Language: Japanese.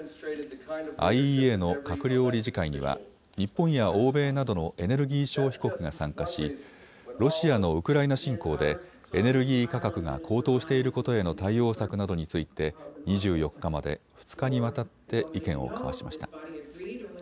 ＩＥＡの閣僚理事会には日本や欧米などのエネルギー消費国が参加しロシアのウクライナ侵攻でエネルギー価格が高騰していることへの対応策などについて２４日まで２日にわたって意見を交わしました。